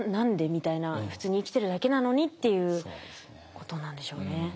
みたいな「普通に生きてるだけなのに」っていうことなんでしょうね。